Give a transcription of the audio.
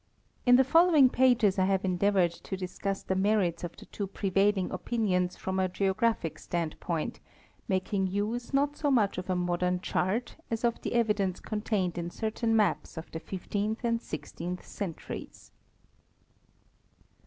In the fol lowing pages I have endeavored to discuss the merits of the two prevailing opinions from a geograpMic standpoint, making use not so much of a modern chart as of the evidence contained in certain maps of the fifteenth and sixteenth centuries.